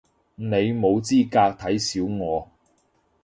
你冇資格睇小我